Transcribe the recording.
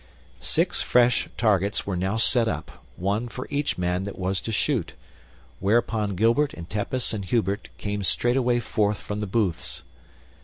Six fresh targets were now set up, one for each man that was to shoot; whereupon Gilbert and Tepus and Hubert came straightway forth from the booths.